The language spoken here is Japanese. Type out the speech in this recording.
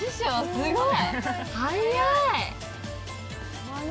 すごい！